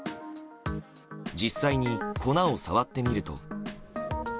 実際に、粉を触ってみると。